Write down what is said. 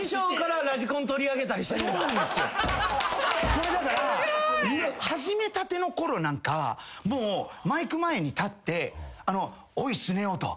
これだから始めたての頃なんかもうマイク前に立って「おいスネ夫」と。